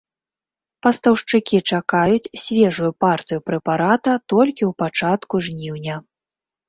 Пастаўшчыкі чакаюць свежую партыю прэпарата толькі ў пачатку жніўня.